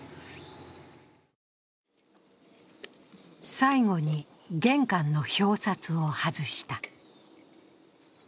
最後に玄関の表札を外した。